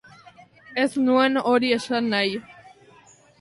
Ez nuen hori esan nahi.